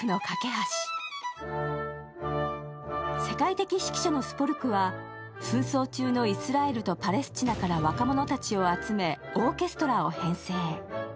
世界的指揮者のスポルクは紛争中のイスラエルとパレスチナから若者たちを集めオーケストラを編成。